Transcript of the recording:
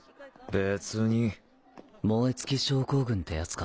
輝）燃え尽き症候群ってやつか。